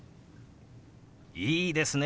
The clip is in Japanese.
いいですね。